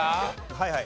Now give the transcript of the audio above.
はいはい。